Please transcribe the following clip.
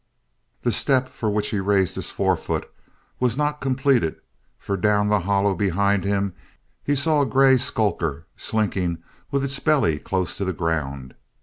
The step for which he raised his forefoot was not completed for down the hollow behind him he saw a grey skulker slinking with its belly close to the ground.